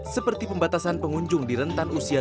seperti pembatasan pengunjung di rentan usia